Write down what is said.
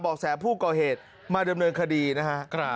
แสผู้ก่อเหตุมาดำเนินคดีนะฮะ